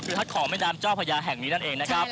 คือฮักของแม่น้ำเจ้าพญาแห่งนี้นั่นเองนะครับ